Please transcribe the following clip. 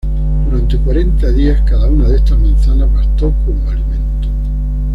Durante cuarenta días, cada una de esas manzanas bastó como alimento"".